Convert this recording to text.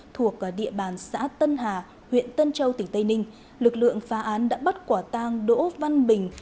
thuộc địa bàn xã tân hà huyện tân châu tỉnh tây ninh lực lượng phá án đã bắt quả tang đỗ văn bình